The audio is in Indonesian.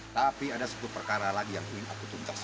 tapi ada sepuluh perkara lagi yang ingin aku tuntaskan